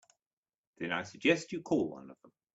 Then I suggest you call one of them.